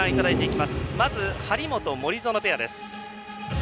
まず張本、森薗ペアです。